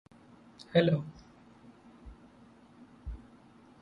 Micro-credit schemes that are being developed were not yet on a sustainable financial footing.